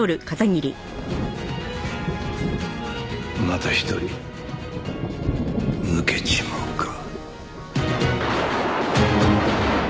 また一人抜けちまうか。